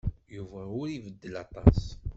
Yuba ur ibeddel aṭas.